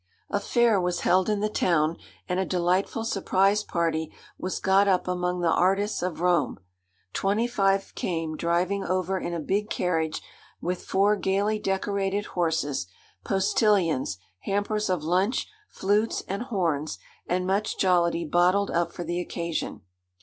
A fair was held in the town, and a delightful surprise party was got up among the artists of Rome. Twenty five came driving over in a big carriage, with four gaily decorated horses, postilions, hampers of lunch, flutes and horns, and much jollity bottled up for the occasion.